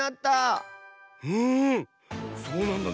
うんそうなんだね。